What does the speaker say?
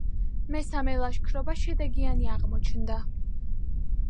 მესამე ლაშქრობა შედეგიანი აღმოჩნდა.